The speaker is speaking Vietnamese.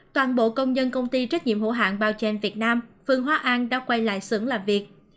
toàn bộ công nhân công ty trách nhiệm hữu hạn bao chên việt nam phương hóa an đã quay lại xưởng làm việc